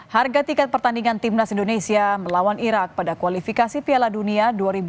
harga tiket pertandingan timnas indonesia melawan irak pada kualifikasi piala dunia dua ribu dua puluh